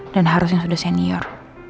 dan harusnya sudah senior